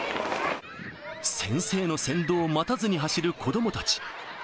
先生の先導を待たずに走る子どもたち。